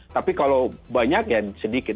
tapi kalau banyak ya sedikit